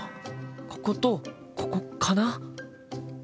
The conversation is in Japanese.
こことここかな？